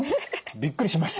びっくりしました。